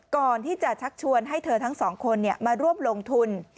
ก่อนที่จะชักชวนให้เธอทั้งสองคนมาร่วมลงทุน